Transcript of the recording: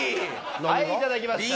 はいいただきました。